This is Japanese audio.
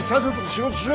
仕事しろ！